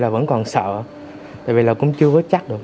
vẫn còn sợ tại vì là cũng chưa có chắc được